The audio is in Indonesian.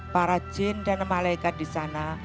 para jin dan malaikat disana